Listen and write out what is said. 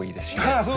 ああ